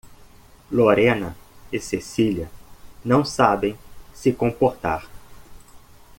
Lorena e Cecília não sabem se comportar.